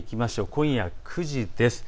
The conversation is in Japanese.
今夜９時です。